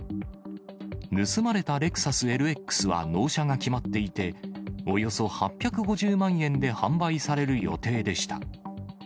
盗まれたレクサスＬＸは納車が決まっていて、およそ８５０万円で販売される予定でした。